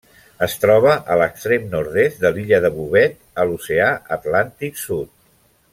Es troba a l'extrem nord-est de l'illa de Bouvet, a l'oceà Atlàntic Sud.